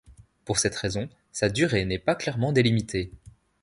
Pour cette raison, sa durée n'est pas clairement délimitée.